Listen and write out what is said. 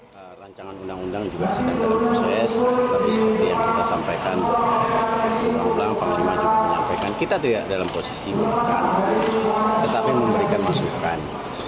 tni tidak dalam posisi memakan tetapi memberikan masukan